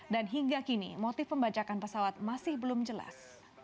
dan hingga kini motif pembajakan pesawat masih belum jelas